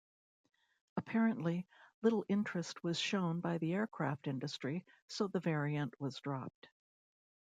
Apparently, little interest was shown by the aircraft industry, so the variant was dropped.